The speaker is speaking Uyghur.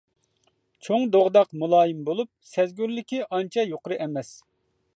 چوڭ دوغداق مۇلايىم بولۇپ، سەزگۈرلۈكى ئانچە يۇقىرى ئەمەس.